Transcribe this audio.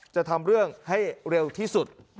จะทำเรื่องให้เร็วที่สุด